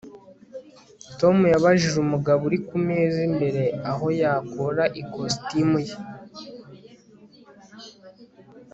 Tom yabajije umugabo uri kumeza imbere aho yakura ikositimu ye